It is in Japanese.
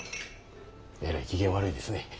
えらい機嫌悪いですね。